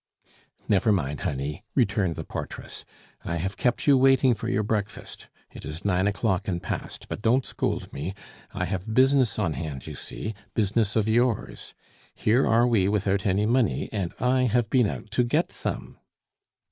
"Never mind, honey," returned the portress. "I have kept you waiting for your breakfast; it is nine o'clock and past; but don't scold me. I have business on hand, you see, business of yours. Here are we without any money, and I have been out to get some."